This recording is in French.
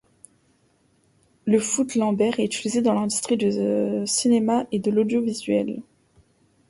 Le foot-lambert est utilisé dans l'industrie du cinéma et de l'audiovisuel.